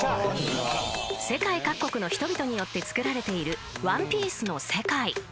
［世界各国の人々によって作られている『ワンピース』の世界］